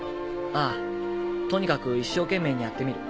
ああとにかく一生懸命にやってみる。